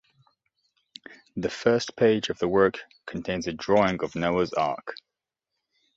The first page of the work contains a drawing of Noah's Ark.